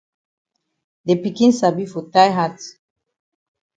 De pikin sabi for tie hat.